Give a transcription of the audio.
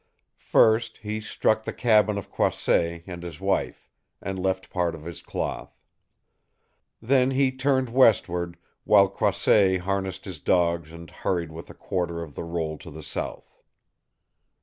First, he struck the cabin of Croisset and his wife, and left part of his cloth. Then he turned westward, while Croisset harnessed his dogs and hurried with a quarter of the roll to the south.